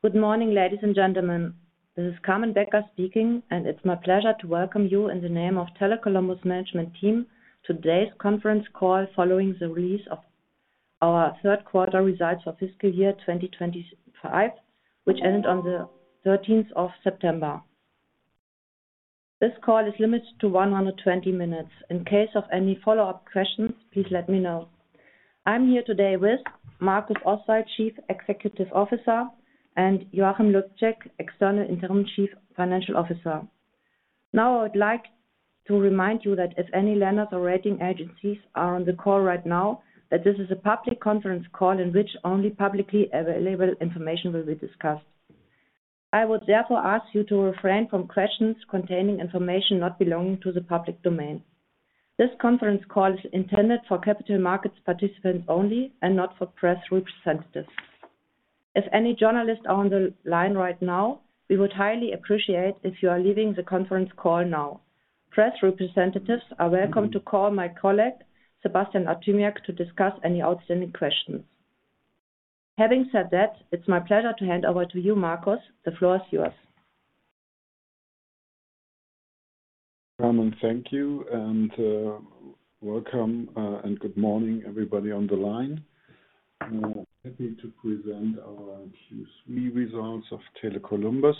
Good morning, ladies and gentlemen. This is Carmen Becker speaking, and it's my pleasure to welcome you in the name of the Tele Columbus Management Team to today's conference call following the release of our third quarter results for fiscal year 2025, which ended on the 13th of September. This call is limited to 120 minutes. In case of any follow-up questions, please let me know. I'm here today with Markus Oswald, Chief Executive Officer, and Joachim Lubsczyk, External Interim Chief Financial Officer. Now, I would like to remind you that if any lenders or rating agencies are on the call right now, that this is a public conference call in which only publicly available information will be discussed. I would therefore ask you to refrain from questions containing information not belonging to the public domain. This conference call is intended for capital markets participants only and not for press representatives. If any journalists are on the line right now, we would highly appreciate it if you are leaving the conference call now. Press representatives are welcome to call my colleague Sebastian Artymiak to discuss any outstanding questions. Having said that, it's my pleasure to hand over to you, Markus. The floor is yours. Carmen, thank you, and welcome and good morning, everybody on the line. I'm happy to present our Q3 results of Tele Columbus.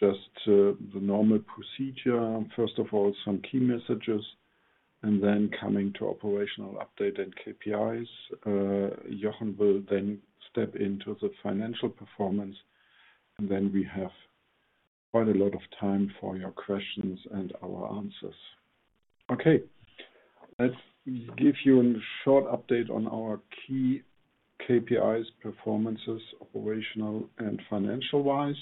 Just the normal procedure: first of all, some key messages, and then coming to operational update and KPIs. Jochen will then step into the financial performance, and then we have quite a lot of time for your questions and our answers. Okay, let's give you a short update on our key KPIs, performances, operational, and financial-wise.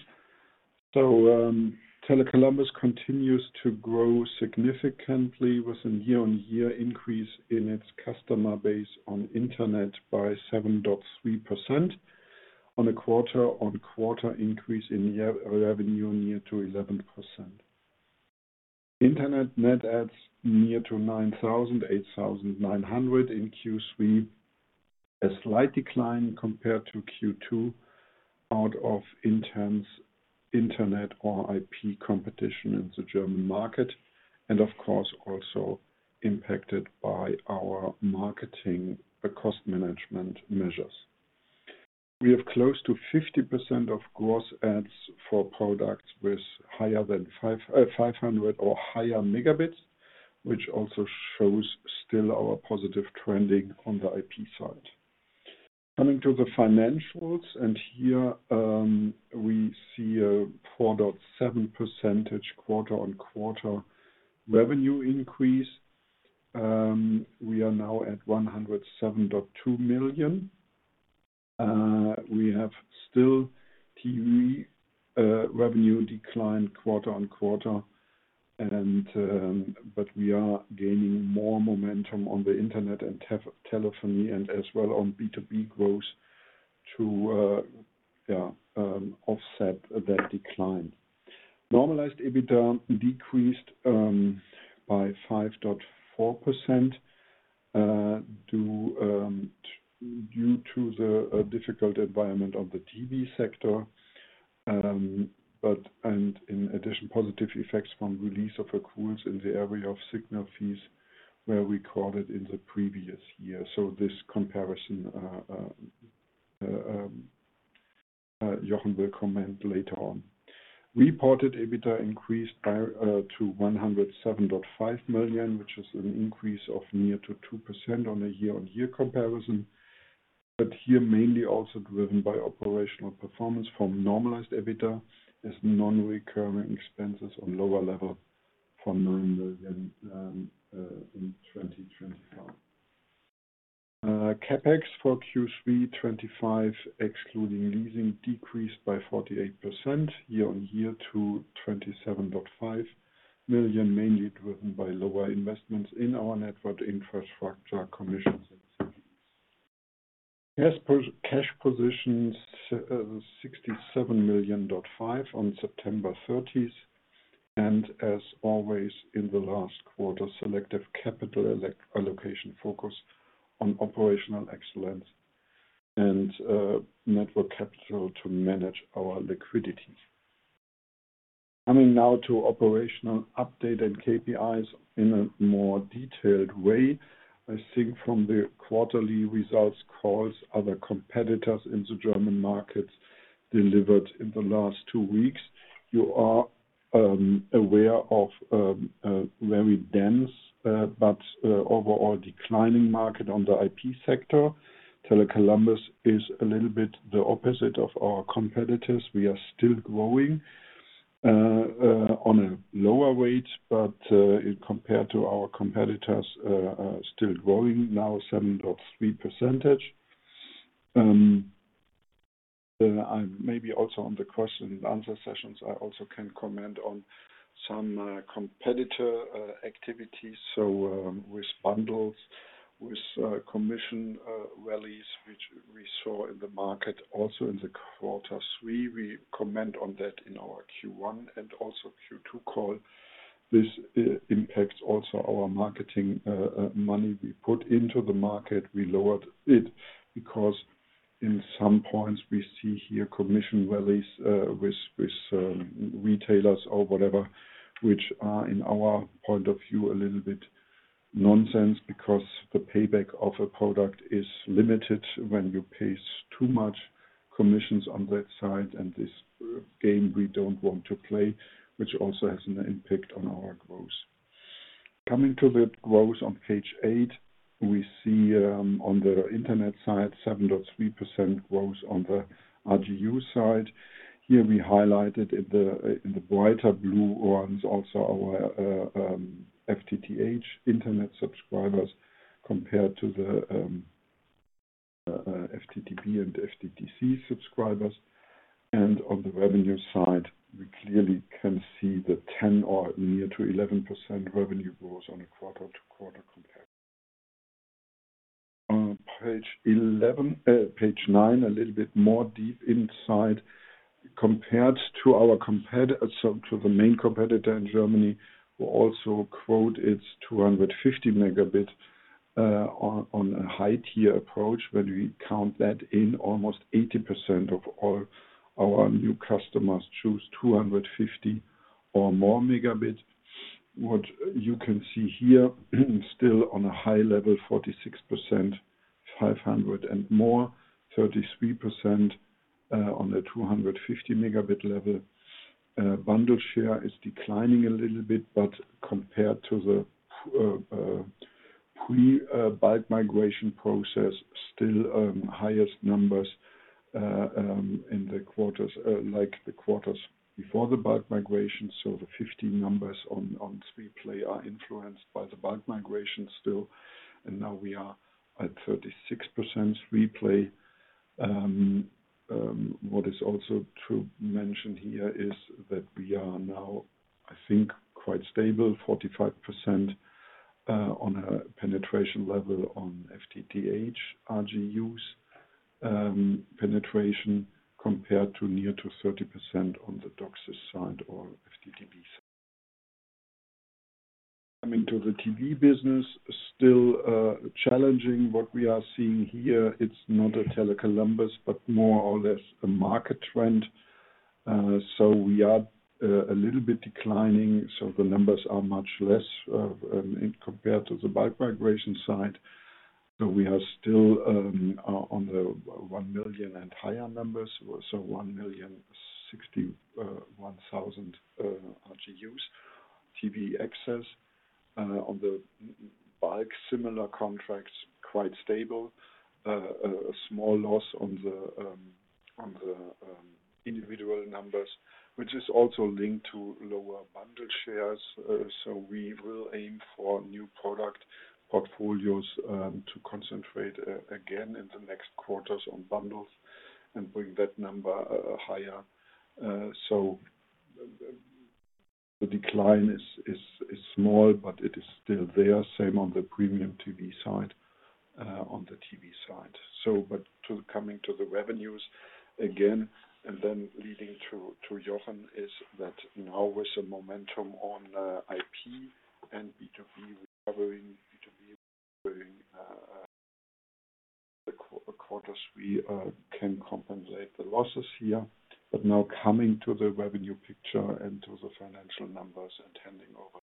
Tele Columbus continues to grow significantly with a year-on-year increase in its customer base on internet by 7.3%, on a quarter-on-quarter increase in revenue near to 11%. Internet net adds near to 9,000, 8,900 in Q3, a slight decline compared to Q2 out of intense internet or IP competition in the German market, and of course, also impacted by our marketing cost management measures. We have close to 50% of gross adds for products with higher than 500 or higher megabits, which also shows still our positive trending on the IP side. Coming to the financials, and here we see a 4.7% quarter-on-quarter revenue increase. We are now at 107.2 million. We have still TV revenue declined quarter-on-quarter, but we are gaining more momentum on the internet and telephony, and as well on B2B growth to offset that decline. Normalized EBITDA decreased by 5.4% due to the difficult environment of the TV sector, and in addition, positive effects from release of accruals in the area of signal fees where we caught it in the previous year. This comparison Jochen will comment later on. Reported EBITDA increased to 107.5 million, which is an increase of near to 2% on a year-on-year comparison, but here mainly also driven by operational performance from normalized EBITDA as non-recurring expenses on lower level for 9 million in 2025. CapEx for Q3 2025, excluding leasing, decreased by 48% year-on-year to 27.5 million, mainly driven by lower investments in our network infrastructure, commissions, and CPEs. Cash positions 67.5 million on September 30th, and as always in the last quarter, selective capital allocation focus on operational excellence and network capital to manage our liquidities. Coming now to operational update and KPIs in a more detailed way, I think from the quarterly results calls, other competitors in the German markets delivered in the last two weeks, you are aware of a very dense but overall declining market on the IP sector. Tele Columbus is a little bit the opposite of our competitors. We are still growing at a lower rate, but compared to our competitors, still growing now 7.3%. Maybe also in the question and answer sessions, I also can comment on some competitor activities, with bundles, with commission rallies which we saw in the market also in quarter three. We commented on that in our Q1 and also Q2 call. This impacts also our marketing money we put into the market. We lowered it because at some points we see here commission rallies with retailers or whatever, which are in our point of view a little bit nonsense because the payback of a product is limited when you pay too much commissions on that side, and this game we do not want to play, which also has an impact on our growth. Coming to the growth on page eight, we see on the internet side 7.3% growth on the RGU side. Here we highlighted in the brighter blue ones also our FTTH internet subscribers compared to the FTTB and FTTC subscribers. On the revenue side, we clearly can see the 10% or near to 11% revenue growth on a quarter-to-quarter comparison. Page nine, a little bit more deep inside, compared to the main competitor in Germany, we also quote its 250 megabit on a high-tier approach. When we count that in, almost 80% of all our new customers choose 250 or more megabit. What you can see here still on a high level, 46%, 500 and more, 33% on the 250 megabit level. Bundle share is declining a little bit, but compared to the pre-bulk migration process, still highest numbers in the quarters like the quarters before the bulk migration. The 50 numbers on three-play are influenced by the bulk migration still, and now we are at 36% three-play. What is also to mention here is that we are now, I think, quite stable, 45% on a penetration level on FTTH RGUs penetration compared to near to 30% on the DOCSIS side or FTTB. Coming to the TV business, still challenging. What we are seeing here, it is not a Tele Columbus, but more or less a market trend. We are a little bit declining. The numbers are much less compared to the bulk migration side. We are still on the 1 million and higher numbers, so 1,061,000 RGUs TV access. On the bulk, similar contracts, quite stable. A small loss on the individual numbers, which is also linked to lower bundle shares. We will aim for new product portfolios to concentrate again in the next quarters on bundles and bring that number higher. The decline is small, but it is still there. Same on the premium TV side, on the TV side. Coming to the revenues again, and then leading to Jochen, is that now with the momentum on IP and B2B recovering, the quarters we can compensate the losses here. Now coming to the revenue picture and to the financial numbers and handing over.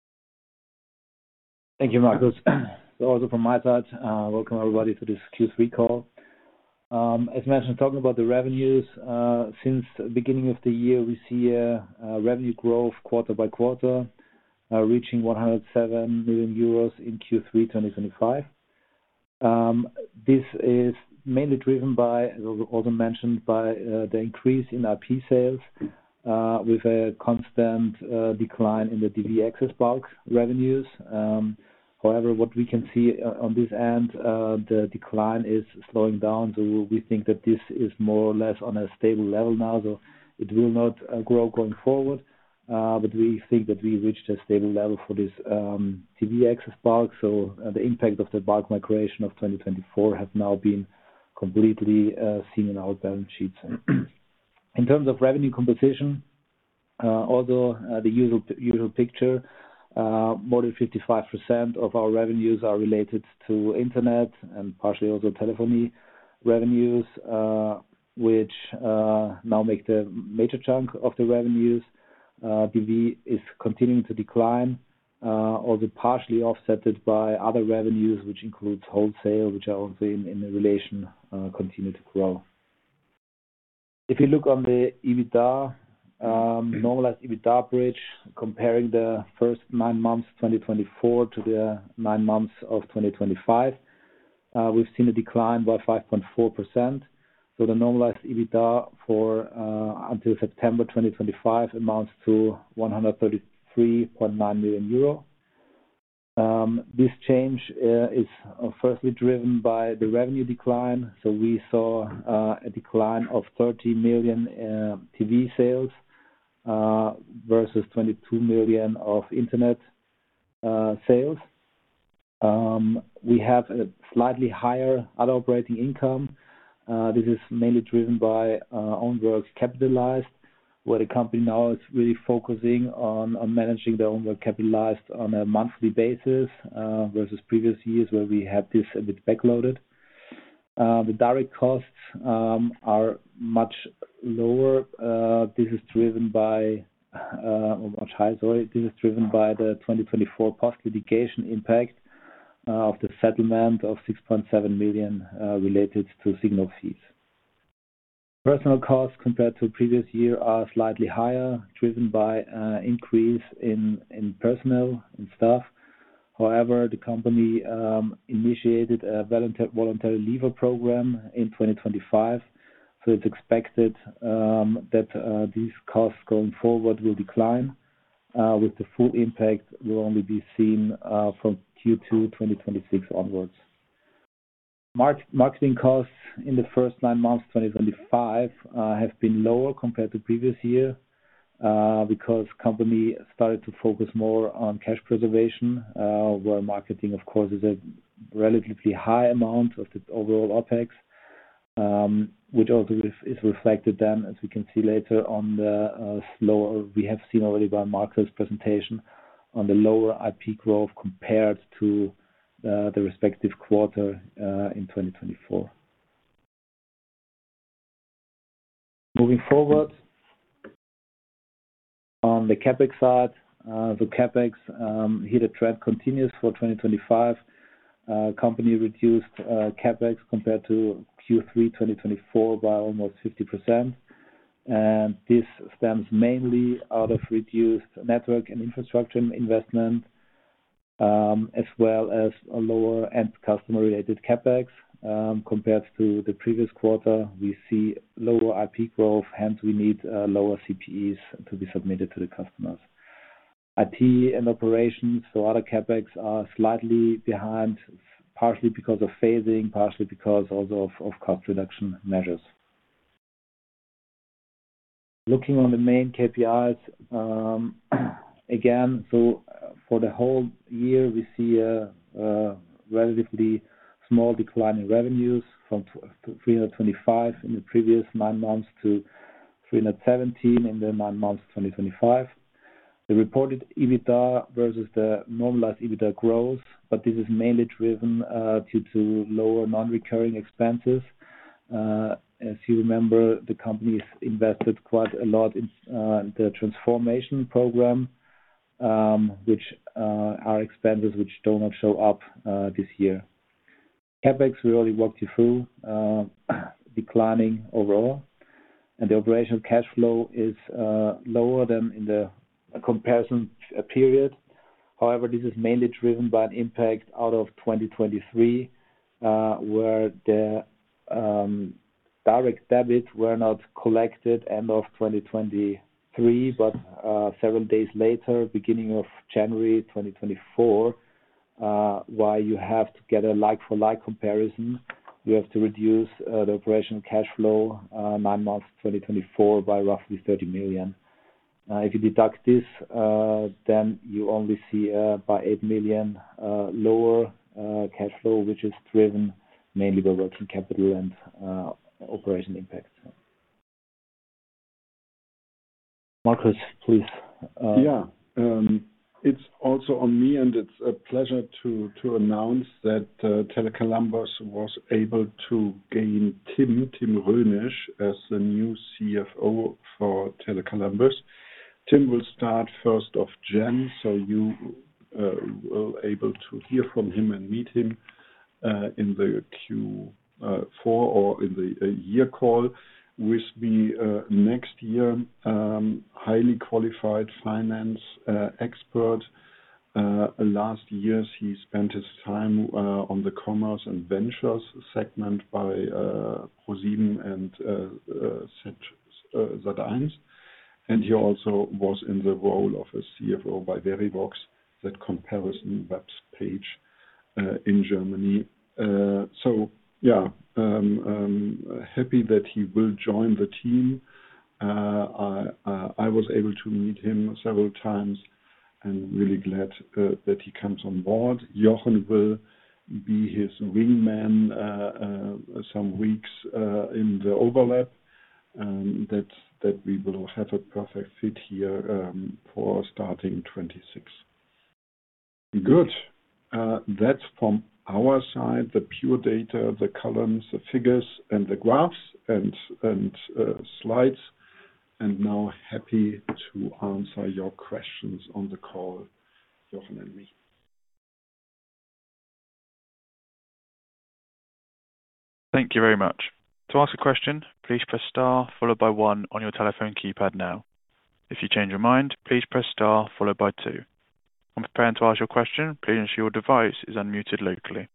Thank you, Markus. Also from my side, welcome everybody to this Q3 call. As mentioned, talking about the revenues, since the beginning of the year, we see a revenue growth quarter by quarter reaching 107 million euros in Q3 2025. This is mainly driven by, as was also mentioned, by the increase in IP sales with a constant decline in the TV access bulk revenues. However, what we can see on this end, the decline is slowing down. We think that this is more or less on a stable level now. It will not grow going forward, but we think that we reached a stable level for this TV access bulk. The impact of the bulk migration of 2024 has now been completely seen in our balance sheets. In terms of revenue composition, also the usual picture, more than 55% of our revenues are related to internet and partially also telephony revenues, which now make the major chunk of the revenues. TV is continuing to decline, also partially offset by other revenues, which includes wholesale, which are also in relation continue to grow. If you look on the EBITDA, normalized EBITDA average, comparing the first nine months 2024 to the nine months of 2025, we've seen a decline by 5.4%. The normalized EBITDA until September 2025 amounts to 133.9 million euro. This change is firstly driven by the revenue decline. We saw a decline of 30 million TV sales versus 22 million of internet sales. We have a slightly higher other operating income. This is mainly driven by own work capitalized, where the company now is really focusing on managing their own work capitalized on a monthly basis versus previous years where we had this a bit backloaded. The direct costs are much higher, sorry, this is driven by the 2024 post-litigation impact of the settlement of 6.7 million related to signal fees. Personnel costs compared to previous year are slightly higher, driven by an increase in personnel, in staff. However, the company initiated a voluntary leaver program in 2025. It is expected that these costs going forward will decline, with the full impact only being seen from Q2 2026 onwards. Marketing costs in the first nine months 2025 have been lower compared to previous year because the company started to focus more on cash preservation, where marketing, of course, is a relatively high amount of the overall OPEX, which also is reflected then, as we can see later on the slower we have seen already by Markus's presentation on the lower IP growth compared to the respective quarter in 2024. Moving forward, on the CapEx side, CapEx, here the trend continues for 2025. Company reduced CapEx compared to Q3 2024 by almost 50%. This stems mainly out of reduced network and infrastructure investment, as well as lower end customer-related CapEx. Compared to the previous quarter, we see lower IP growth, hence we need lower CPEs to be submitted to the customers. IT and operations, so other CapEx are slightly behind, partially because of phasing, partially because also of cost reduction measures. Looking on the main KPIs, again, for the whole year, we see a relatively small decline in revenues from 325 million in the previous nine months to 317 million in the nine months 2025. The reported EBITDA versus the normalized EBITDA grows, but this is mainly driven due to lower non-recurring expenses. As you remember, the company has invested quite a lot in the transformation program, which are expenses which do not show up this year. CapEx, we already walked you through, declining overall. The operational cash flow is lower than in the comparison period. However, this is mainly driven by an impact out of 2023, where the direct debits were not collected end of 2023, but several days later, beginning of January 2024. While you have to get a like-for-like comparison, you have to reduce the operational cash flow nine months 2024 by roughly 30 million. If you deduct this, then you only see by 8 million lower cash flow, which is driven mainly by working capital and operation impacts. Markus, please. Yeah. It's also on me, and it's a pleasure to announce that Tele Columbus was able to gain Tim, Tim Rhoenisch, as the new CFO for Tele Columbus. Tim will start 1st of January, so you will be able to hear from him and meet him in the Q4 or in the year call with me next year. Highly qualified finance expert. Last year, he spent his time on the commerce and ventures segment by ProSiebenSat.1. And he also was in the role of a CFO by Verivox, that comparison web page in Germany. Yeah, happy that he will join the team. I was able to meet him several times and really glad that he comes on board. Jochen will be his wingman some weeks in the overlap, that we will have a perfect fit here for starting 2026. Good. That's from our side, the pure data, the columns, the figures, and the graphs and slides. Now happy to answer your questions on the call, Jochen and me. Thank you very much. To ask a question, please press star followed by one on your telephone keypad now. If you change your mind, please press star followed by two. When preparing to ask your question, please ensure your device is unmuted locally.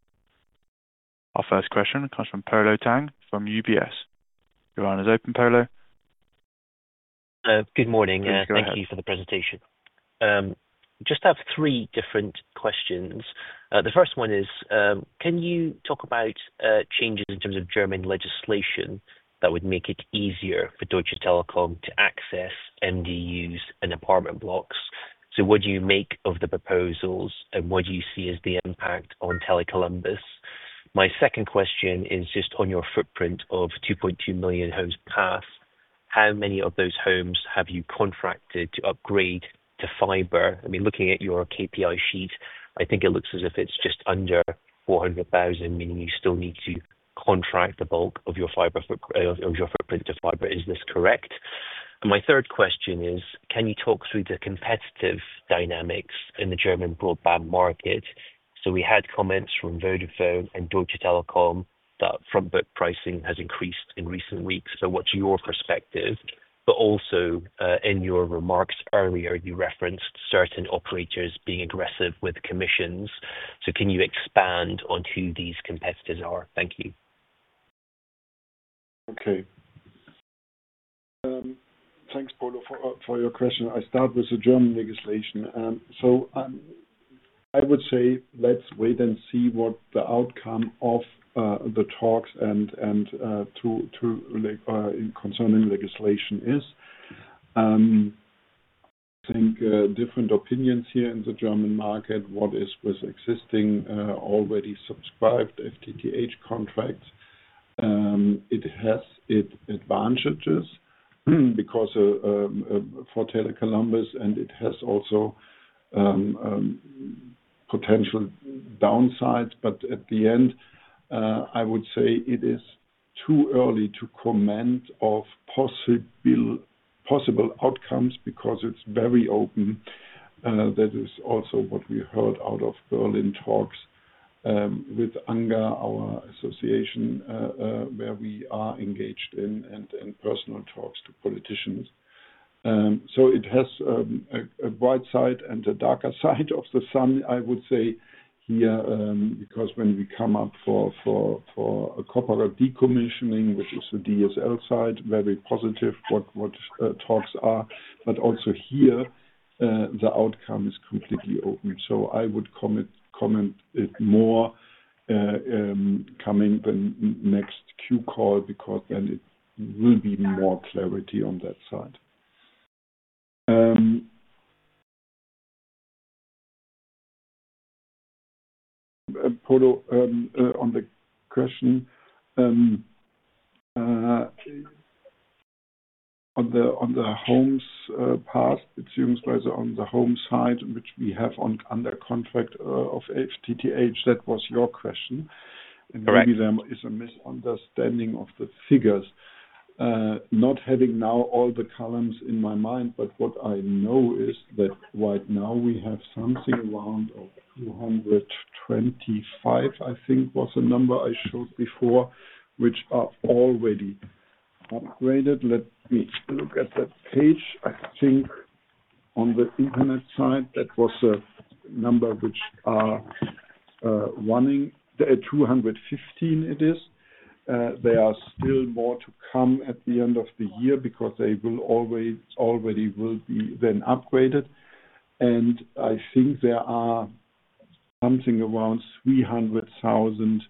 Our first question comes from Polo Tang from UBS. Your round is open, Polo. Good morning. Thank you for the presentation. Just have three different questions. The first one is, can you talk about changes in terms of German legislation that would make it easier for Deutsche Telekom to access MDUs and apartment blocks? What do you make of the proposals, and what do you see as the impact on Tele Columbus? My second question is just on your footprint of 2.2 million homes passed, how many of those homes have you contracted to upgrade to fiber? I mean, looking at your KPI sheet, I think it looks as if it's just under 400,000, meaning you still need to contract the bulk of your footprint to fiber. Is this correct? My third question is, can you talk through the competitive dynamics in the German broadband market? We had comments from Vodafone and Deutsche Telekom that front-book pricing has increased in recent weeks. What's your perspective? Also, in your remarks earlier, you referenced certain operators being aggressive with commissions. Can you expand on who these competitors are? Thank you. Okay. Thanks, Polo, for your question. I start with the German legislation. I would say let's wait and see what the outcome of the talks and concerning legislation is. I think different opinions here in the German market, what is with existing already subscribed FTTH contracts. It has its advantages for Tele Columbus, and it has also potential downsides. At the end, I would say it is too early to comment on possible outcomes because it's very open. That is also what we heard out of Berlin talks with ANGA, our association, where we are engaged in and personal talks to politicians. It has a bright side and a darker side of the sun, I would say, here, because when we come up for a corporate decommissioning, which is the DSL side, very positive what talks are. Also here, the outcome is completely open. I would comment it more coming the next Q call because then it will be more clarity on that side. Polo, on the question on the homes passed, beziehungsweise on the home side, which we have under contract of FTTH, that was your question. Maybe there is a misunderstanding of the figures. Not having now all the columns in my mind, but what I know is that right now we have something around 225, I think was the number I showed before, which are already upgraded. Let me look at the page. I think on the internet side, that was a number which are running. 215 it is. There are still more to come at the end of the year because they will already be then upgraded. I think there are something around 300,000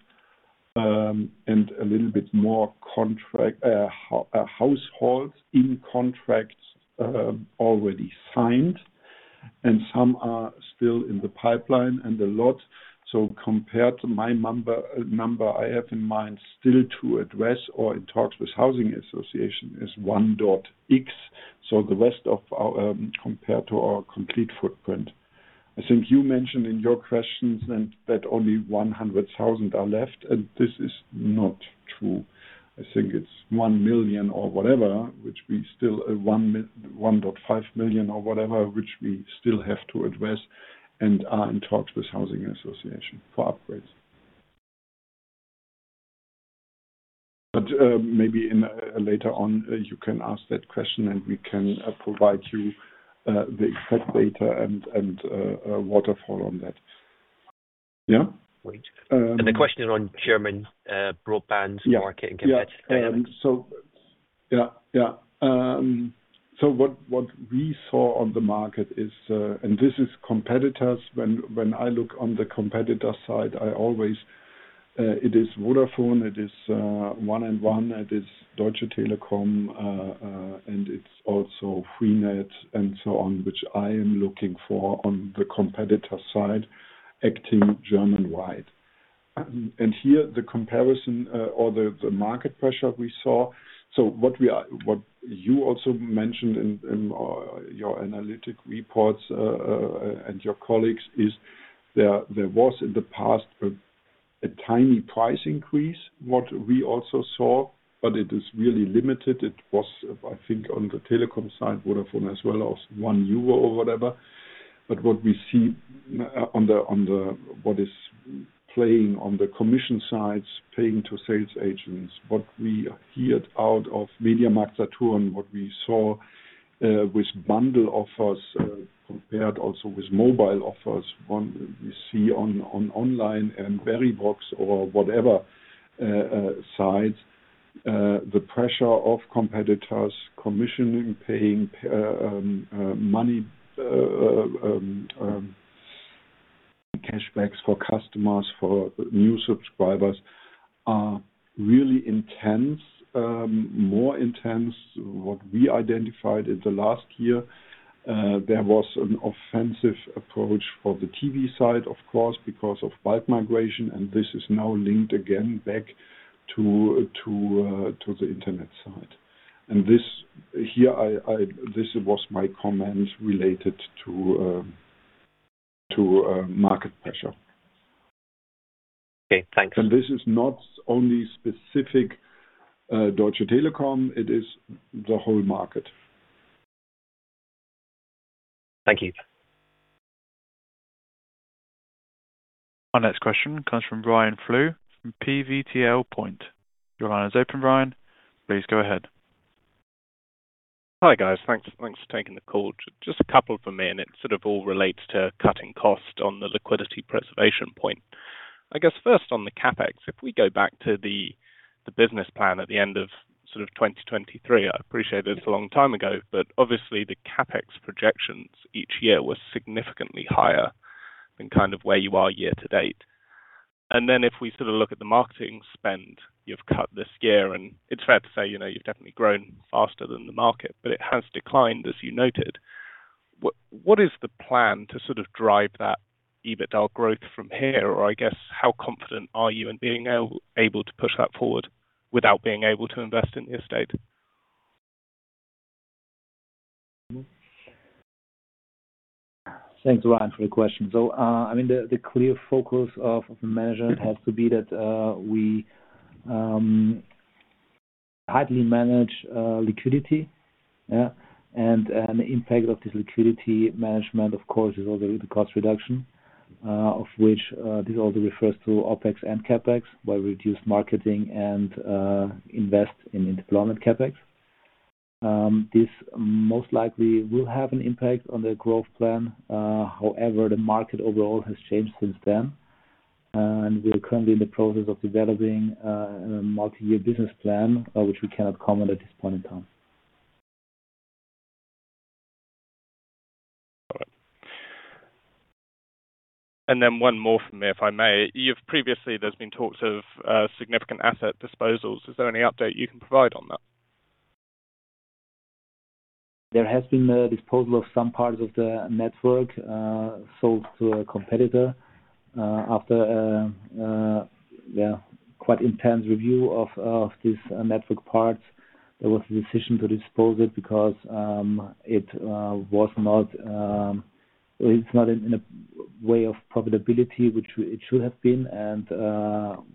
and a little bit more households in contracts already signed, and some are still in the pipeline and a lot. Compared to my number I have in mind still to address or in talks with housing association is 1.X. The rest of compared to our complete footprint, I think you mentioned in your questions that only 100,000 are left, and this is not true. I think it's 1 million or whatever, which we still 1.5 million or whatever, which we still have to address and are in talks with housing association for upgrades. Maybe later on, you can ask that question, and we can provide you the exact data and waterfall on that. Yeah? The question is on German broadband market and competitors. Yeah. Yeah. What we saw on the market is, and this is competitors. When I look on the competitor side, it is Vodafone, it is 1&1, it is Deutsche Telekom, and it's also Freenet and so on, which I am looking for on the competitor side acting German wide. Here the comparison or the market pressure we saw. What you also mentioned in your analytic reports and your colleagues is there was in the past a tiny price increase, what we also saw, but it is really limited. It was, I think, on the Telekom side, Vodafone as well as 1 euro or whatever. What we see on what is playing on the commission sides, paying to sales agents, what we hear out of MediaMarktSaturn, what we saw with bundle offers compared also with mobile offers, what we see online and Verivox or whatever sites, the pressure of competitors, commissioning, paying money, cashbacks for customers, for new subscribers are really intense, more intense. What we identified in the last year, there was an offensive approach for the TV side, of course, because of bulk migration, and this is now linked again back to the internet side. This was my comment related to market pressure. Okay. Thanks. This is not only specific to Deutsche Telekom, it is the whole market. Thank you. Our next question comes from Ryan Flew from PVTL Point. Your round is open, Ryan. Please go ahead. Hi guys. Thanks for taking the call. Just a couple for me, and it sort of all relates to cutting costs on the liquidity preservation point. I guess first on the CapEx, if we go back to the business plan at the end of sort of 2023, I appreciate it's a long time ago, but obviously the CapEx projections each year were significantly higher than kind of where you are year to date. If we sort of look at the marketing spend, you've cut this year, and it's fair to say you've definitely grown faster than the market, but it has declined, as you noted. What is the plan to sort of drive that EBITDA growth from here, or I guess how confident are you in being able to push that forward without being able to invest in the estate? Thanks, Ryan, for the question. I mean, the clear focus of management has to be that we hardly manage liquidity. The impact of this liquidity management, of course, is also the cost reduction, of which this also refers to OPEX and CapEx, where we reduce marketing and invest in deployment CapEx. This most likely will have an impact on the growth plan. However, the market overall has changed since then, and we are currently in the process of developing a multi-year business plan, which we cannot comment at this point in time. Got it. One more from me, if I may. Previously, there's been talks of significant asset disposals. Is there any update you can provide on that? There has been a disposal of some parts of the network sold to a competitor after quite intense review of these network parts. There was a decision to dispose it because it was not in a way of profitability, which it should have been, and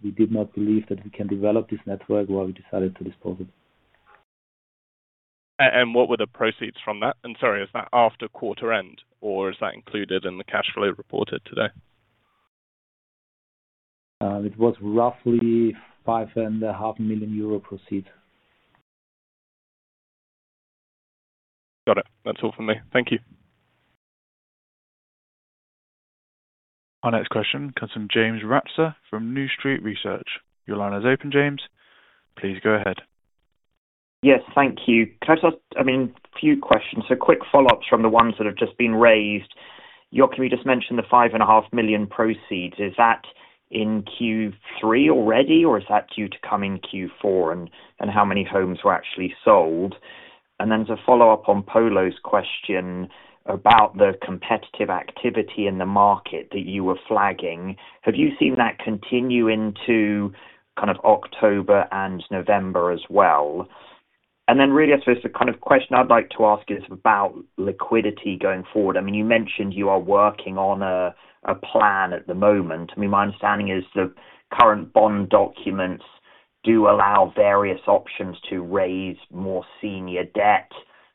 we did not believe that we can develop this network while we decided to dispose it. What were the proceeds from that? Sorry, is that after quarter end, or is that included in the cash flow reported today? It was roughly EUR 5.5 million proceeds. Got it. That's all from me. Thank you. Our next question comes from James Ratzer from New Street Research. Your line is open, James. Please go ahead. Yes, thank you. Can I just ask, I mean, a few questions, so quick follow-ups from the ones that have just been raised. Joachim, you just mentioned the 5.5 million proceeds. Is that in Q3 already, or is that due to come in Q4, and how many homes were actually sold? To follow up on Polo's question about the competitive activity in the market that you were flagging, have you seen that continue into kind of October and November as well? I suppose the kind of question I'd like to ask is about liquidity going forward. I mean, you mentioned you are working on a plan at the moment. My understanding is the current bond documents do allow various options to raise more senior debt,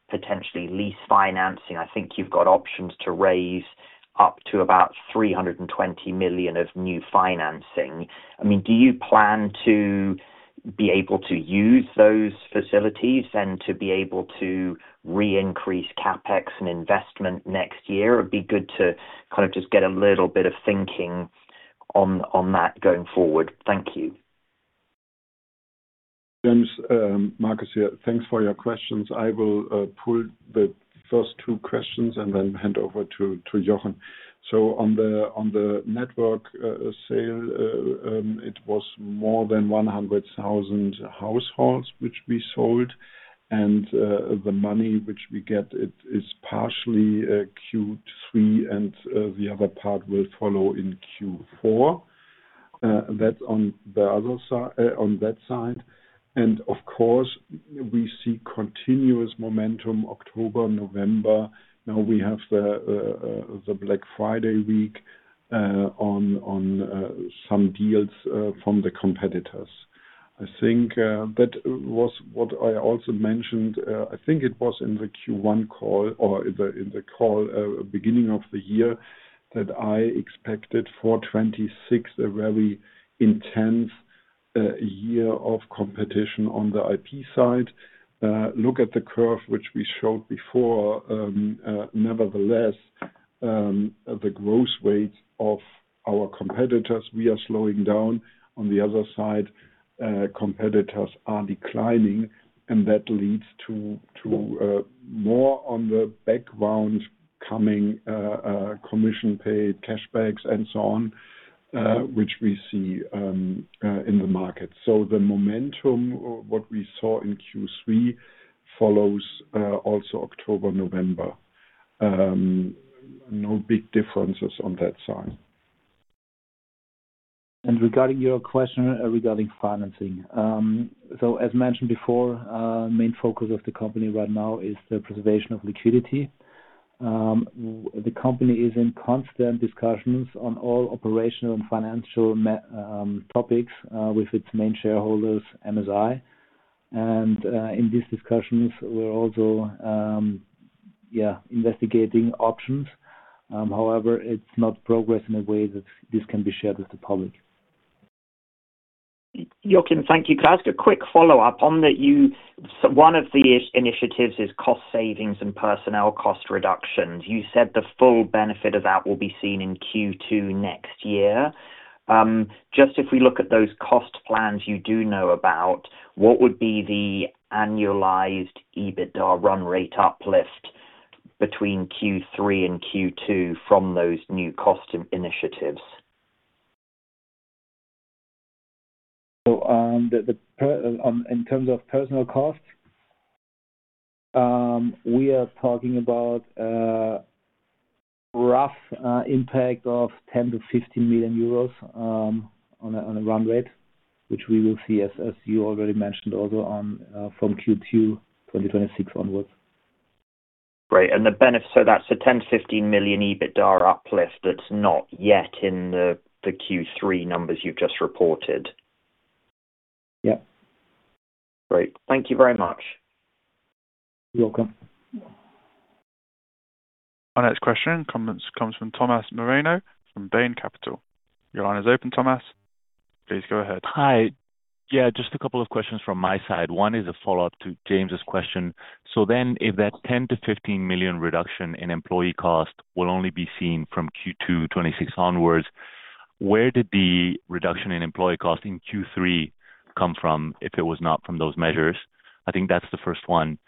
potentially lease financing. I think you've got options to raise up to about 320 million of new financing. I mean, do you plan to be able to use those facilities and to be able to re-increase CapEx and investment next year? It'd be good to kind of just get a little bit of thinking on that going forward. Thank you. Thanks, Markus. Thanks for your questions. I will pull the first two questions and then hand over to Jochen. On the network sale, it was more than 100,000 households which we sold, and the money which we get is partially Q3, and the other part will follow in Q4. That is on that side. Of course, we see continuous momentum October, November. Now we have the Black Friday week on some deals from the competitors. I think that was what I also mentioned. I think it was in the Q1 call or in the call beginning of the year that I expected for 2026 a very intense year of competition on the IP side. Look at the curve which we showed before. Nevertheless, the growth rates of our competitors, we are slowing down. On the other side, competitors are declining, and that leads to more on the background coming commission-paid cashbacks and so on, which we see in the market. The momentum, what we saw in Q3, follows also October, November. No big differences on that side. Regarding your question regarding financing, as mentioned before, the main focus of the company right now is the preservation of liquidity. The company is in constant discussions on all operational and financial topics with its main shareholders, MSI. In these discussions, we're also, yeah, investigating options. However, it's not progress in a way that this can be shared with the public. Joachim, thank you. Can I ask a quick follow-up on that? One of the initiatives is cost savings and personnel cost reductions. You said the full benefit of that will be seen in Q2 next year. Just if we look at those cost plans you do know about, what would be the annualized EBITDA run rate uplift between Q3 and Q2 from those new cost initiatives? In terms of personal costs, we are talking about a rough impact of 10-15 million euros on a run rate, which we will see, as you already mentioned, also from Q2 2026 onwards. Great. The benefits, so that's a €10 million-€15 million EBITDA uplift that's not yet in the Q3 numbers you've just reported. Yeah. Great. Thank you very much. You're welcome. Our next question comes from Tomas Moreno from Bain Capital. Your line is open, Tomas. Please go ahead. Hi. Yeah, just a couple of questions from my side. One is a follow-up to James's question. If that 10-15 million reduction in employee cost will only be seen from Q2 2026 onwards, where did the reduction in employee cost in Q3 come from if it was not from those measures? I think that's the first one.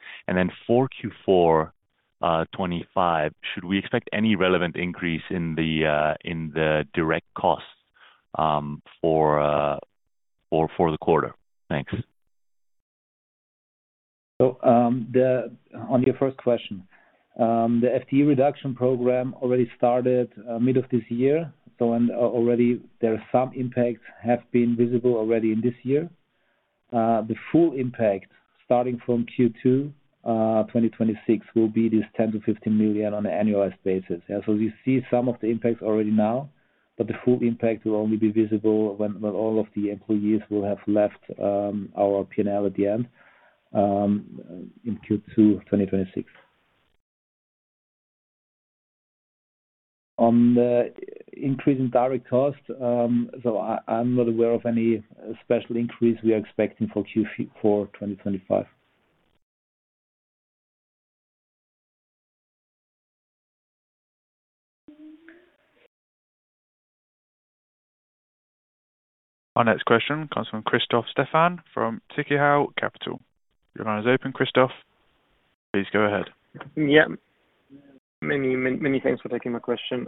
For Q4 2025, should we expect any relevant increase in the direct costs for the quarter? Thanks. On your first question, the FTE reduction program already started mid of this year. Already there are some impacts that have been visible already in this year. The full impact starting from Q2 2026 will be this €10-€15 million on an annualized basis. You see some of the impacts already now, but the full impact will only be visible when all of the employees will have left our P&L at the end in Q2 2026. On the increase in direct cost, I am not aware of any special increase we are expecting for Q4 2025. Our next question comes from Christoph Steffan from Tikehau Capital. Your line is open, Christoph. Please go ahead. Yeah. Many thanks for taking my question.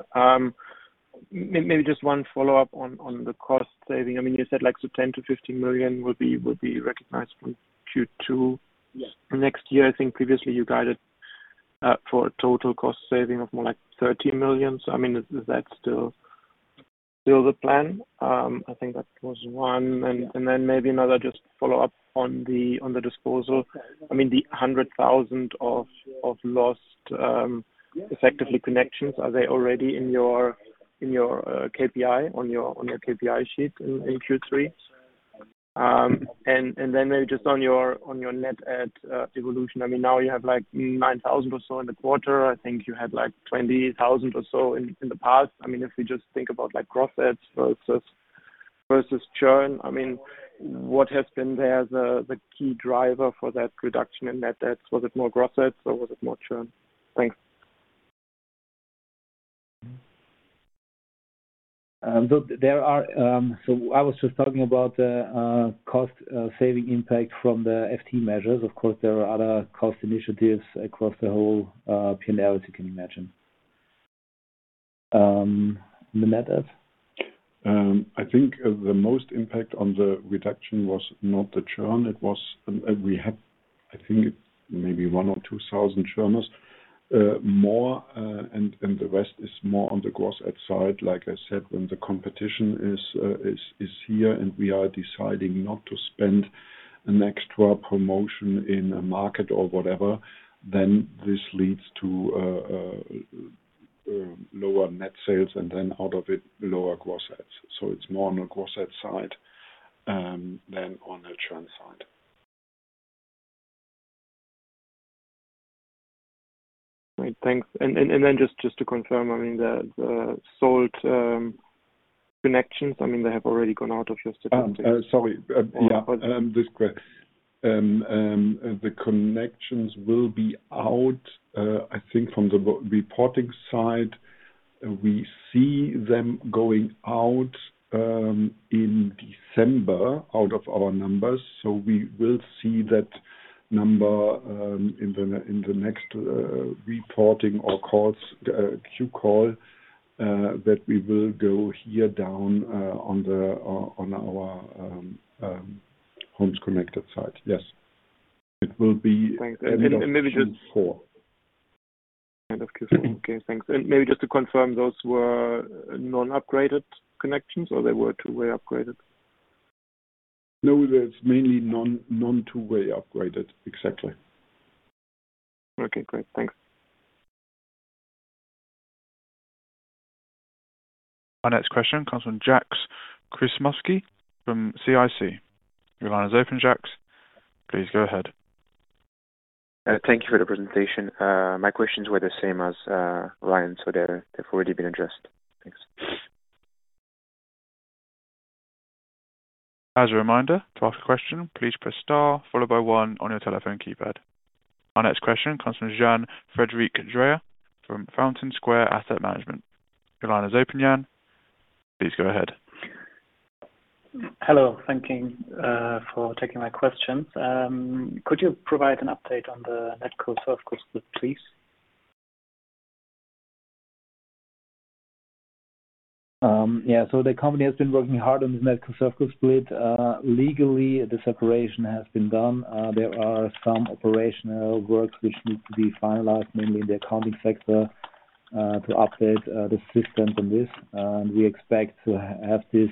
Maybe just one follow-up on the cost saving. I mean, you said like 10-15 million would be recognized from Q2 next year. I think previously you guided for a total cost saving of more like 30 million. I mean, is that still the plan? I think that was one. Maybe another just follow-up on the disposal. I mean, the 100,000 of lost effective connections, are they already in your KPI, on your KPI sheet in Q3? Maybe just on your net add evolution. I mean, now you have like 9,000 or so in the quarter. I think you had like 20,000 or so in the past. If we just think about gross adds versus churn, I mean, what has been there as a key driver for that reduction in net adds? Was it more gross adds or was it more churn? Thanks. I was just talking about the cost saving impact from the FTE measures. Of course, there are other cost initiatives across the whole P&L, as you can imagine. The net adds? I think the most impact on the reduction was not the churn. It was, I think, maybe one or two thousand churners more, and the rest is more on the gross add side. Like I said, when the competition is here and we are deciding not to spend an extra promotion in a market or whatever, this leads to lower net sales and out of it, lower gross adds. It is more on the gross add side than on the churn side. Great. Thanks. Just to confirm, I mean, the sold connections, I mean, they have already gone out of your statistics. Sorry. Yeah. The connections will be out. I think from the reporting side, we see them going out in December, out of our numbers. We will see that number in the next reporting or Q call that we will go here down on our homes connected side. Yes. It will be in Q4. Maybe just. End of Q4. End of Q4. Okay. Thanks. Maybe just to confirm, those were non-upgraded connections, or they were two-way upgraded? No, it's mainly non-two-way upgraded. Exactly. Okay. Great. Thanks. Our next question comes from Jax Chrismusky from CIC. Your line is open, Jax. Please go ahead. Thank you for the presentation. My questions were the same as Ryan, so they've already been addressed. Thanks. As a reminder, to ask a question, please press star followed by one on your telephone keypad. Our next question comes from Jan Frederik Dreher from Fountain Square Asset Management. Your line is open, Jan. Please go ahead. Hello. Thank you for taking my questions. Could you provide an update on the net cost of the split, please? Yeah. The company has been working hard on the net cost of the split. Legally, the separation has been done. There are some operational works which need to be finalized, mainly in the accounting sector, to update the systems on this. We expect to have this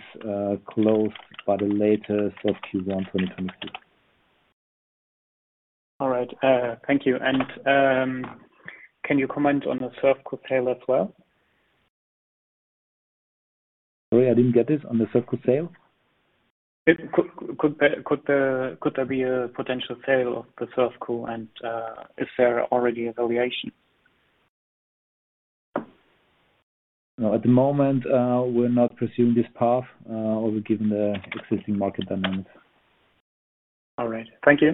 closed by the latest of Q1 2026. All right. Thank you. Can you comment on the Subco sale as well? Sorry, I didn't get this. On the Subco sale? Could there be a potential sale of the Subco, and is there already a valuation? At the moment, we're not pursuing this path, although given the existing market dynamics. All right. Thank you.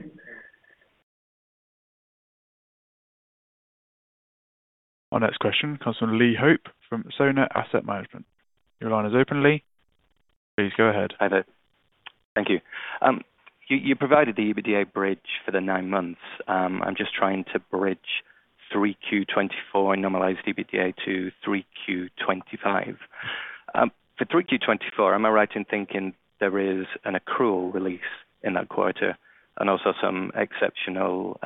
Our next question comes from Lee Hope from Sona Asset Management. Your line is open, Lee. Please go ahead. Hi there. Thank you. You provided the EBITDA bridge for the nine months. I'm just trying to bridge 3Q24 normalized EBITDA to 3Q25. For 3Q24, am I right in thinking there is an accrual release in that quarter and also some exceptional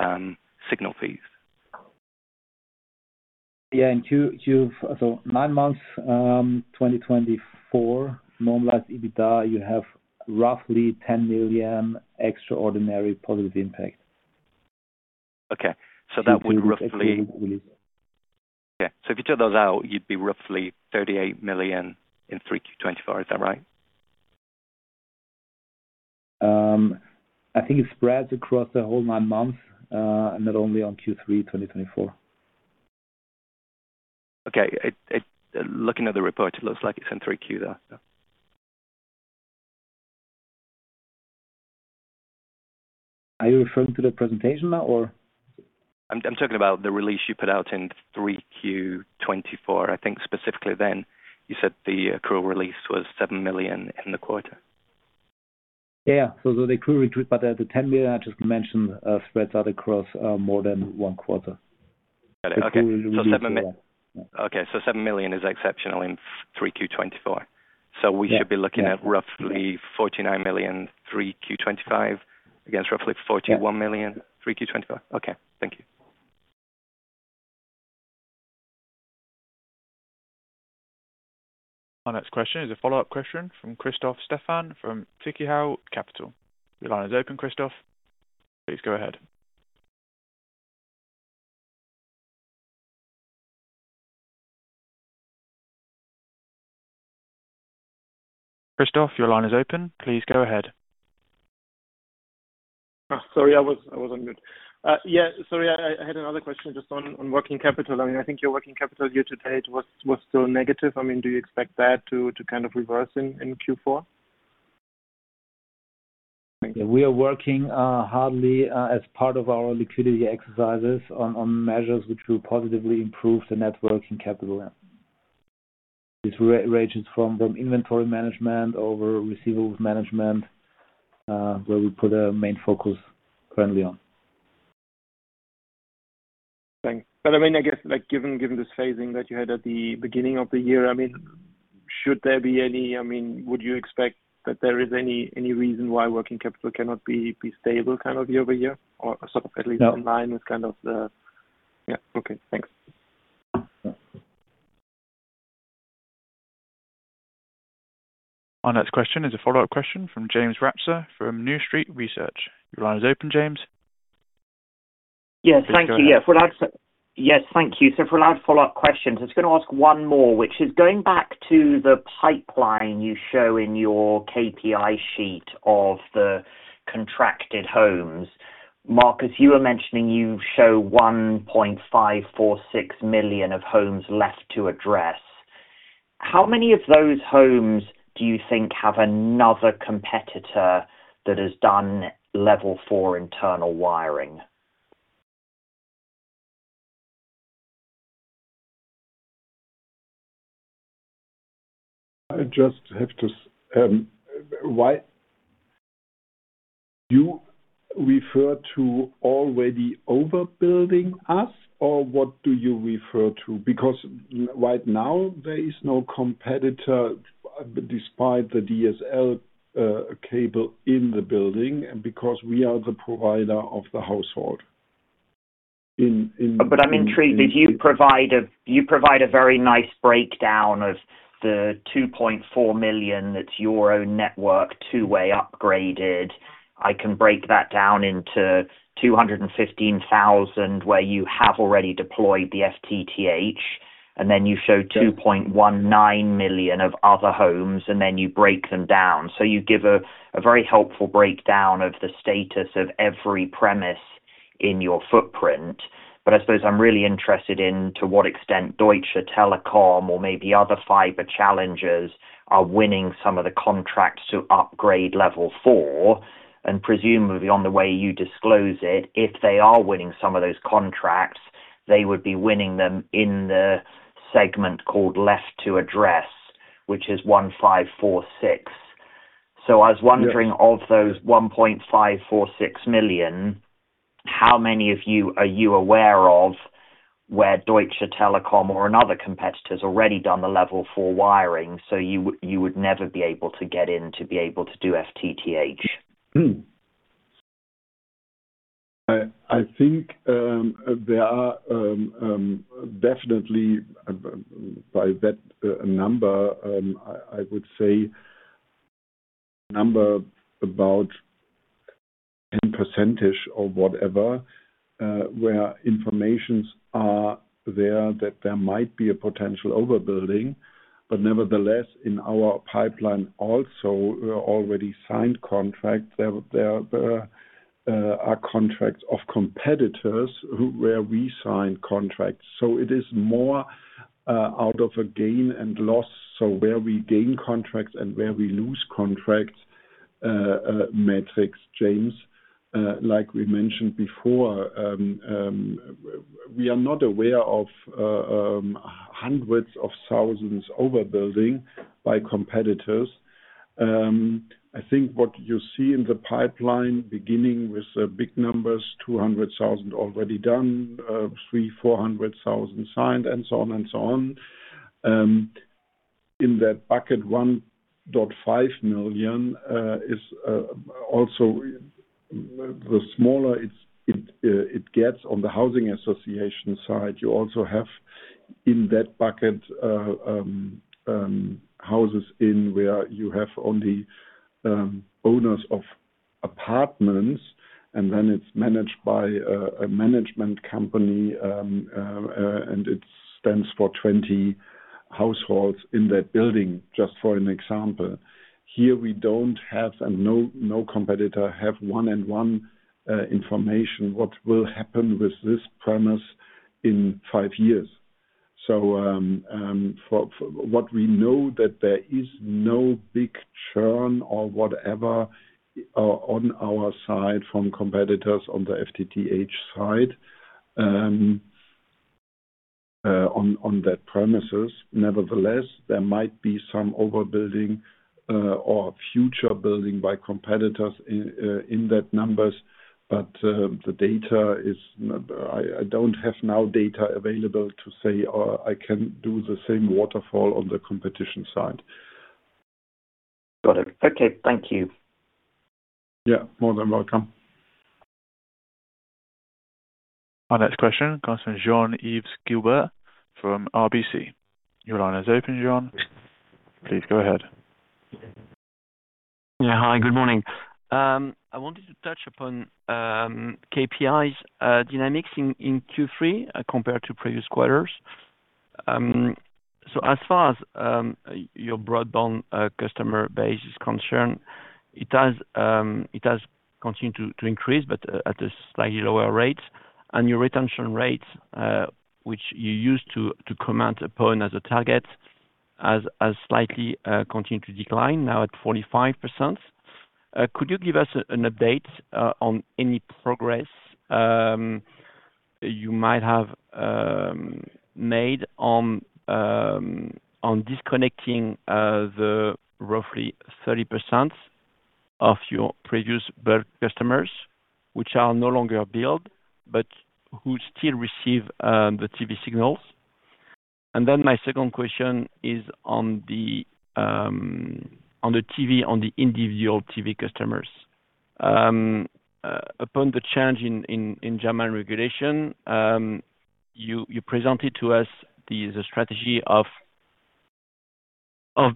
signal fees? Yeah. Nine months 2024 normalized EBITDA, you have roughly 10 million extraordinary positive impact. Okay. That would roughly. If you took those out, you'd be roughly 38 million in Q3 2024. Is that right? I think it spreads across the whole nine months, not only on Q3 2024. Okay. Looking at the report, it looks like it's in 3Q there. Are you referring to the presentation now, or? I'm talking about the release you put out in 3Q 2024. I think specifically then, you said the accrual release was 7 million in the quarter. Yeah. The accrual retreat, but the 10 million I just mentioned spreads out across more than one quarter. Got it. Okay. 7 million. Okay. 7 million is exceptional in 3Q 2024. We should be looking at roughly 49 million 3Q 2025 against roughly 41 million 3Q 2025. Okay. Thank you. Our next question is a follow-up question from Christoph Steffan from Tikehau Capital. Your line is open, Christoph. Please go ahead. Christoph, your line is open. Please go ahead. Sorry, I wasn't good. Yeah. Sorry, I had another question just on working capital. I mean, I think your working capital year to date was still negative. I mean, do you expect that to kind of reverse in Q4? We are working hard as part of our liquidity exercises on measures which will positively improve the net working capital. This ranges from inventory management over receivables management, where we put a main focus currently on. Thanks. I mean, I guess given this phasing that you had at the beginning of the year, I mean, should there be any—I mean, would you expect that there is any reason why working capital cannot be stable kind of year-over-year? Or at least in line with kind of the—yeah. Okay. Thanks. Our next question is a follow-up question from James Ratzer from New Street Research. Your line is open, James. Yes. Thank you. Yes. Thank you. For follow-up questions, I was going to ask one more, which is going back to the pipeline you show in your KPI sheet of the contracted homes. Markus, you were mentioning you show 1.546 million of homes left to address. How many of those homes do you think have another competitor that has done level four internal wiring? I just have to—why do you refer to already overbuilding us, or what do you refer to? Because right now, there is no competitor despite the DSL cable in the building, and because we are the provider of the household. I'm intrigued. You provide a very nice breakdown of the 2.4 million that's your own network two-way upgraded. I can break that down into 215,000 where you have already deployed the FTTH, and then you show 2.19 million of other homes, and then you break them down. You give a very helpful breakdown of the status of every premise in your footprint. I suppose I'm really interested in to what extent Deutsche Telekom or maybe other fiber challengers are winning some of the contracts to upgrade level four. Presumably, on the way you disclose it, if they are winning some of those contracts, they would be winning them in the segment called left to address, which is 1,546. I was wondering, of those 1.546 million, how many of you are you aware of where Deutsche Telekom or another competitor has already done the level four wiring so you would never be able to get in to be able to do FTTH? I think there are definitely, by that number, I would say a number about 10% or whatever, where informations are there that there might be a potential overbuilding. Nevertheless, in our pipeline, also already signed contracts, there are contracts of competitors where we signed contracts. It is more out of a gain and loss. Where we gain contracts and where we lose contracts metrics, James, like we mentioned before, we are not aware of hundreds of thousands overbuilding by competitors. I think what you see in the pipeline, beginning with the big numbers, 200,000 already done, 300,000-400,000 signed, and so on and so on. In that bucket, 1.5 million is also the smaller it gets on the housing association side. You also have in that bucket houses in where you have only owners of apartments, and then it's managed by a management company, and it stands for 20 households in that building, just for an example. Here, we don't have and no competitor have one-on-one information what will happen with this premise in five years. What we know is that there is no big churn or whatever on our side from competitors on the FTTH side on that premises. Nevertheless, there might be some overbuilding or future building by competitors in that numbers, but the data is I don't have now data available to say I can do the same waterfall on the competition side. Got it. Okay. Thank you. Yeah. More than welcome. Our next question comes from John Gilbert from RBC. Your line is open, John. Please go ahead. Yeah. Hi. Good morning. I wanted to touch upon KPIs dynamics in Q3 compared to previous quarters. As far as your broadband customer base is concerned, it has continued to increase, but at a slightly lower rate. Your retention rates, which you used to comment upon as a target, have slightly continued to decline, now at 45%. Could you give us an update on any progress you might have made on disconnecting the roughly 30% of your previous customers, which are no longer billed, but who still receive the TV signals? My second question is on the TV, on the individual TV customers. Upon the change in German regulation, you presented to us the strategy of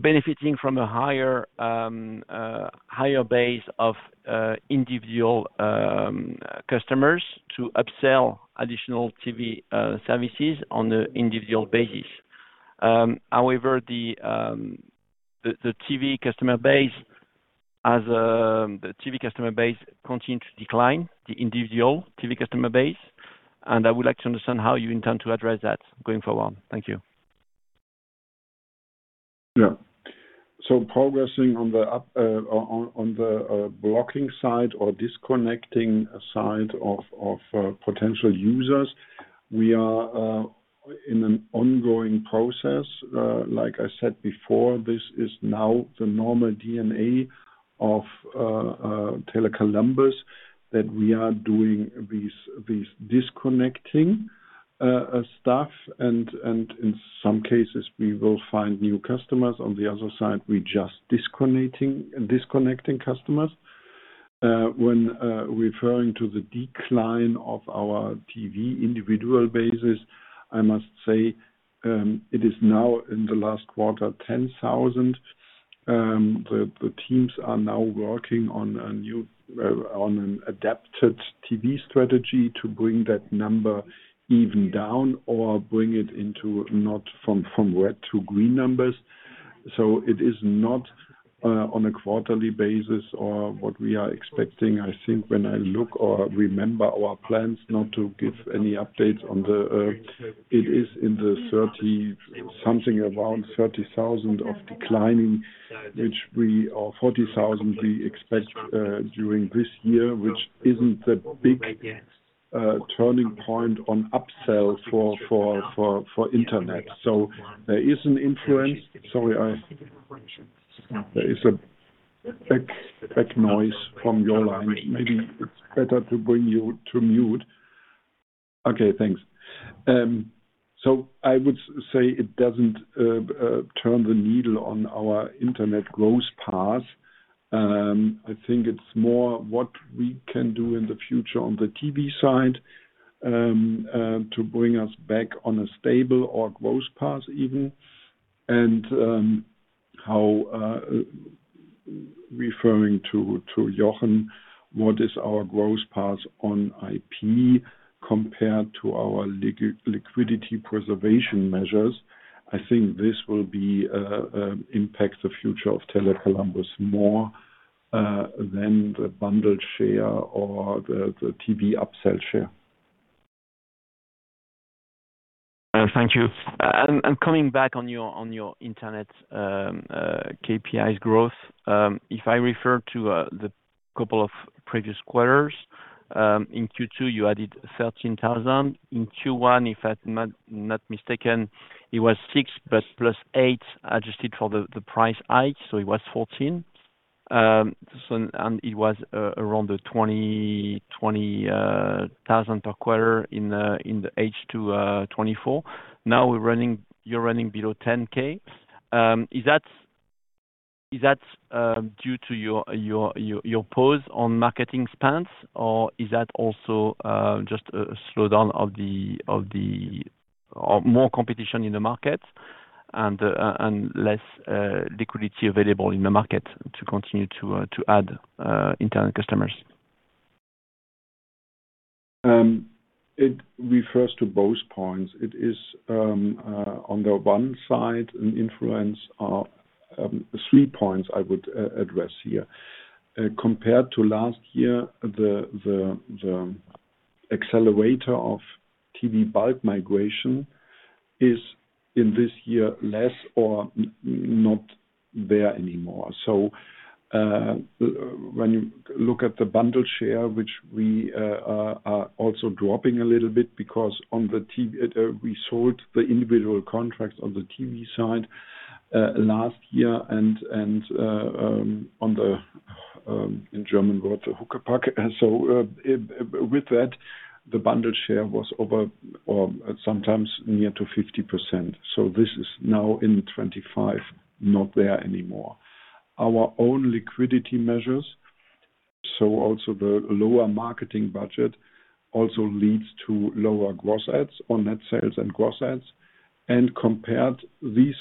benefiting from a higher base of individual customers to upsell additional TV services on an individual basis. However, the TV customer base, has the TV customer base continued to decline, the individual TV customer base. I would like to understand how you intend to address that going forward. Thank you. Yeah. Progressing on the blocking side or disconnecting side of potential users, we are in an ongoing process. Like I said before, this is now the normal DNA of Tele Columbus that we are doing this disconnecting stuff. In some cases, we will find new customers. On the other side, we are just disconnecting customers. When referring to the decline of our TV individual basis, I must say it is now in the last quarter 10,000. The teams are now working on an adapted TV strategy to bring that number even down or bring it into not from red to green numbers. It is not on a quarterly basis or what we are expecting. I think when I look or remember our plans not to give any updates on it, it is in the 30-something, around 30,000 of declining, which we or 40,000 we expect during this year, which is not the big turning point on upsell for internet. There is an influence. Sorry, there is a background noise from your line. Maybe it is better to bring you to mute. Okay. Thanks. I would say it does not turn the needle on our internet growth path. I think it is more what we can do in the future on the TV side to bring us back on a stable or growth path even. Referring to Jochen, what is our growth path on IP compared to our liquidity preservation measures? I think this will impact the future of Tele Columbus more than the bundle share or the TV upsell share. Thank you. Coming back on your internet KPIs growth, if I refer to the couple of previous quarters, in Q2, you added 13,000. In Q1, if I'm not mistaken, it was 6, but plus 8 adjusted for the price hike, so it was 14. It was around the 20,000 per quarter in the H2 2024. Now you're running below 10,000. Is that due to your pause on marketing spends, or is that also just a slowdown of the more competition in the market and less liquidity available in the market to continue to add internet customers? It refers to both points. It is, on the one side, an influence. Three points I would address here. Compared to last year, the accelerator of TV bulk migration is in this year less or not there anymore. When you look at the bundle share, which we are also dropping a little bit because on the TV, we sold the individual contracts on the TV side last year and on the, in German words, the Huckepack. With that, the bundle share was over or sometimes near to 50%. This is now in 2025, not there anymore. Our own liquidity measures, so also the lower marketing budget, also leads to lower gross adds or net sales and gross adds. Compared these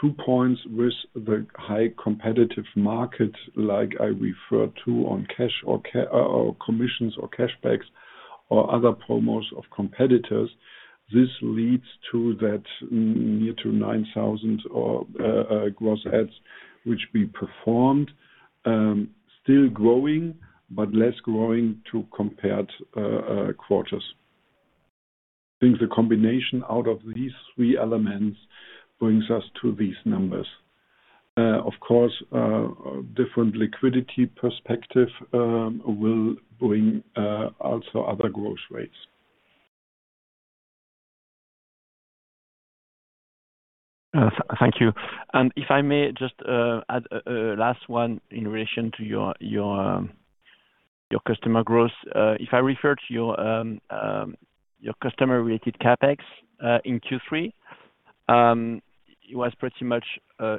two points with the high competitive market, like I referred to on cash or commissions or cashbacks or other promos of competitors, this leads to that near to 9,000 or gross adds, which we performed still growing, but less growing to compared quarters. I think the combination out of these three elements brings us to these numbers. Of course, different liquidity perspective will bring also other growth rates. Thank you. If I may just add a last one in relation to your customer growth. If I refer to your customer-related CapEx in Q3, it was pretty much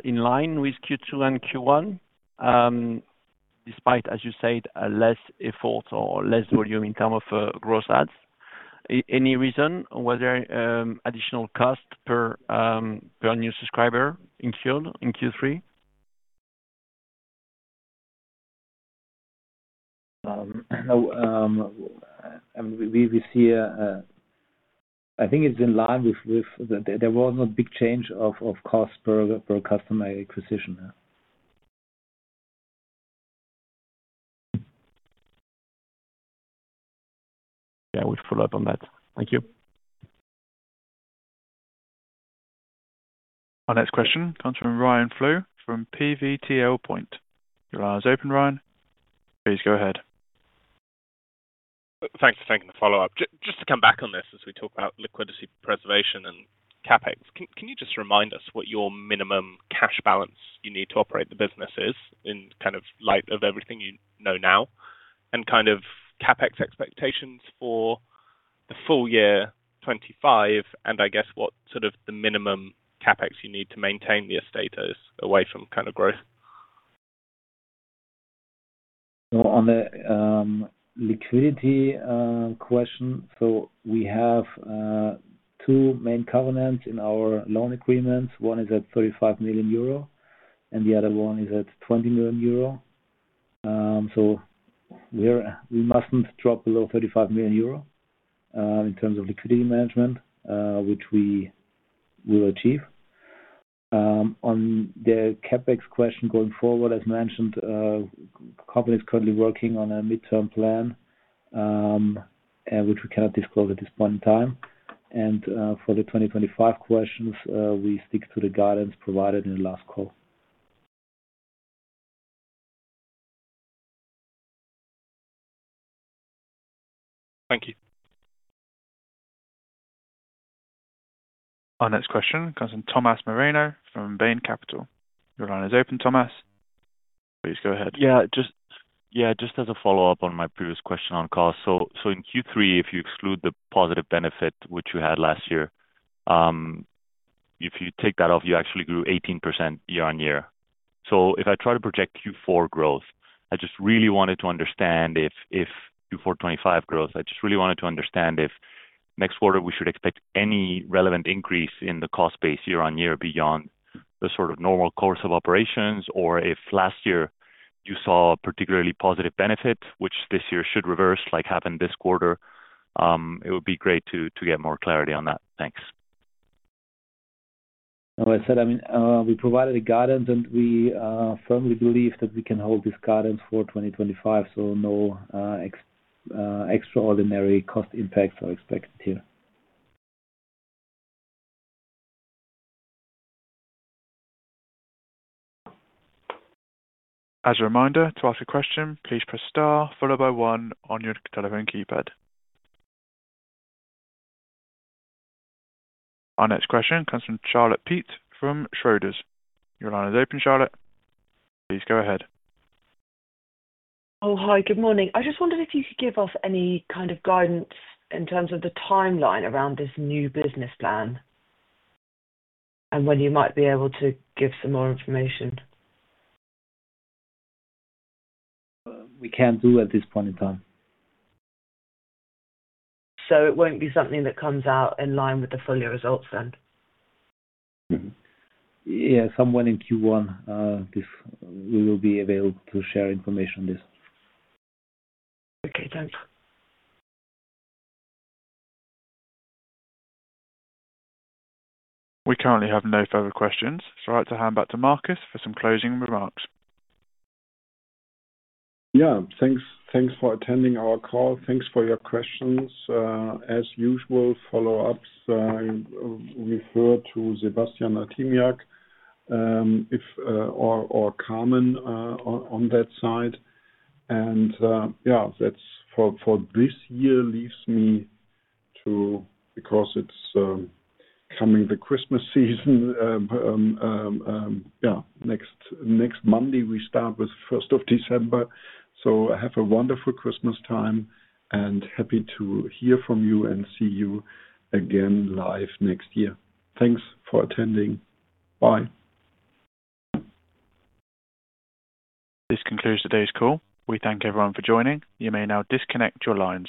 in line with Q2 and Q1, despite, as you said, less effort or less volume in terms of gross adds. Any reason? Was there additional cost per new subscriber in Q3? No. I mean, we see a, I think it's in line with, there was no big change of cost per customer acquisition. Yeah. We'll follow up on that. Thank you. Our next question comes from Ryan Flew from PVTL Point. Your line is open, Ryan. Please go ahead. Thanks for taking the follow-up. Just to come back on this as we talk about liquidity preservation and CapEx, can you just remind us what your minimum cash balance you need to operate the business is in kind of light of everything you know now and kind of CapEx expectations for the full year 2025? I guess what sort of the minimum CapEx you need to maintain the status away from kind of growth? On the liquidity question, we have two main covenants in our loan agreements. One is at 35 million euro, and the other one is at 20 million euro. We must not drop below 35 million euro in terms of liquidity management, which we will achieve. On the CapEx question going forward, as mentioned, the company is currently working on a midterm plan, which we cannot disclose at this point in time. For the 2025 questions, we stick to the guidance provided in the last call. Thank you. Our next question comes from Tomas Moreno from Bain Capital. Your line is open, Tomas. Please go ahead. Yeah. Just as a follow-up on my previous question on cost, in Q3, if you exclude the positive benefit which you had last year, if you take that off, you actually grew 18% year-on-year. If I try to project Q4 growth, I just really wanted to understand if Q4 25 growth, I just really wanted to understand if next quarter we should expect any relevant increase in the cost base year-on-year beyond the sort of normal course of operations, or if last year you saw a particularly positive benefit, which this year should reverse, like happened this quarter. It would be great to get more clarity on that. Thanks. No, I said, I mean, we provided a guidance, and we firmly believe that we can hold this guidance for 2025. No extraordinary cost impacts are expected here. As a reminder, to ask a question, please press star followed by one on your telephone keypad. Our next question comes from Charlotte Peet from Schroders. Your line is open, Charlotte. Please go ahead. Oh, hi. Good morning. I just wondered if you could give us any kind of guidance in terms of the timeline around this new business plan and when you might be able to give some more information. We can't do at this point in time. It won't be something that comes out in line with the full year results then? Yeah. Somewhere in Q1, we will be able to share information on this. Okay. Thanks. We currently have no further questions. It's right to hand back to Markus for some closing remarks. Yeah. Thanks for attending our call. Thanks for your questions. As usual, follow-ups refer to Sebastian Artymiak or Carmen on that side. That's for this year leaves me to because it's coming the Christmas season. Next Monday, we start with 1st of December. Have a wonderful Christmas time and happy to hear from you and see you again live next year. Thanks for attending. Bye. This concludes today's call. We thank everyone for joining. You may now disconnect your lines.